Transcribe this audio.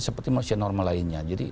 seperti manusia normal lainnya